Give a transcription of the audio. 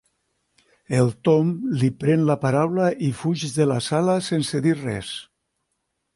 El Tom li pren la paraula i fuig de la sala sense dir res.